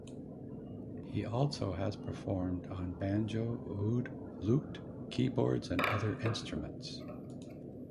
He also has performed on banjo, oud, lute, keyboards and other instruments.